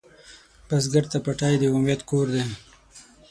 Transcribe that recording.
بزګر ته پټی د امید کور دی